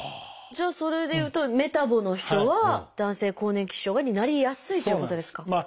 じゃあそれでいうとメタボの人は男性更年期障害になりやすいっていうことですか？